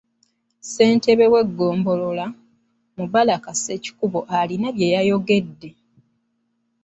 Ssentebe w’eggombolola, Mubarak Ssekikubo alina bye yayagedde.